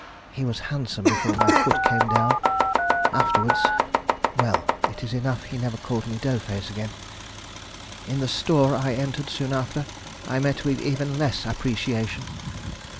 He was handsome before my foot came down; afterwards Well, it is enough he never called me Dough face again. In the store I entered soon after, I met with even less appreciation.